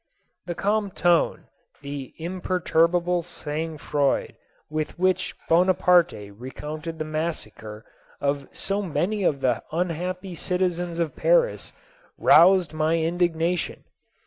1 " The calm tone, the imperturbable sang froid with which Bonaparte recounted the massacre of so many of the unhappy citizens of Paris, roused my indigna tion.